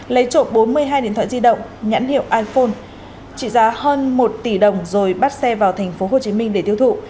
lấy trộm bốn mươi hai điện thoại di động nhãn hiệu iphone trị giá hơn một tỷ đồng rồi bắt xe vào tp hcm để tiêu thụ